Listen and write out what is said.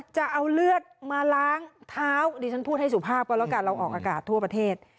จะเอาเลือดมาล้างเท้าดิฉันพูดให้สุภาพก็แล้วกันเราออกอากาศทั่วประเทศ